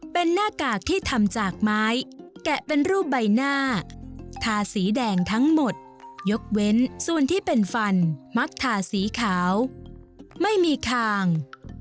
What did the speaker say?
เป็นหน้ากากที่ทำจากไม้แกะเป็นรูปใบหน้าทาสีแดงทั้งหมดยกเว้นส่วนที่เป็นฟันมักทาสีขาวไม่มีคาง